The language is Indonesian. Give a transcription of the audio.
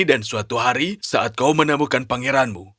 dan suatu hari saat kau menemukan pangeranmu